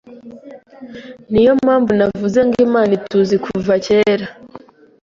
ni yo mpamvu navuze ngo Imana ituzi kuva kera